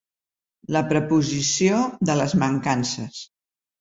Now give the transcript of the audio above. La preposició de les mancances.